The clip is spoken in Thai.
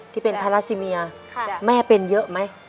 ที่เป็นทาราซิเมียแม่เป็นเยอะไหม